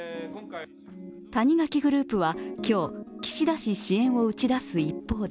谷垣グループは今日、岸田氏支援を打ち出す一方で